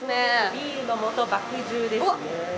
ビールのもと、麦汁ですね。